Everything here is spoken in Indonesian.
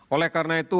oleh karena itu